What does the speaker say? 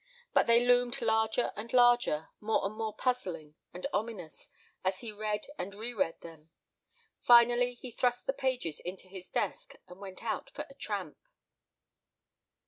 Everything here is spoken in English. But they loomed larger and larger, more and more puzzling and ominous, as he read and reread them. Finally he thrust the pages into his desk and went out for a tramp.